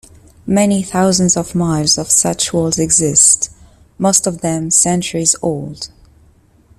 Many thousands of miles of such walls exist, most of them centuries old.